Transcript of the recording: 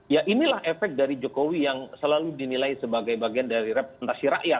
ya inilah efek dari jokowi yang selalu dinilai sebagai bagian dari representasi rakyat